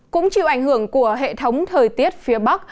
cũng chịu ảnh hưởng của hệ thống thời tiết phía bắc